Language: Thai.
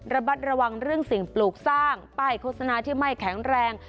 ระมัดระวังเรื่องสิ่งปลูกสร้างป้ายโฆษณาที่ไม่แข็งแรง